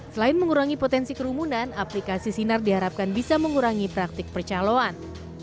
selain mengurangi potensi kerumunan aplikasi sinar diharapkan bisa mengurangi praktik percaloan